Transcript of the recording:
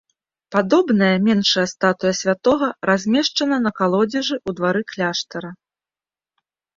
Падобная, меншая статуя святога размешчана на калодзежы ў двары кляштара.